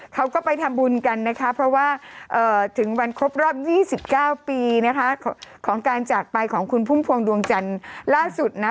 เขาก็ไปทำบุญกันนะคะเพราะว่าถึงวันครบรอบ๒๙ปีนะคะของการจากไปของคุณพุ่มพวงดวงจันทร์ล่าสุดนะ